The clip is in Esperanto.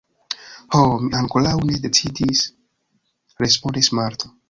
Ho, mi ankoraŭ ne decidis – respondis Marta.